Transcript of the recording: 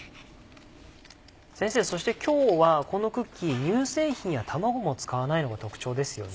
先生そして今日はこのクッキー乳製品や卵も使わないのが特徴ですよね。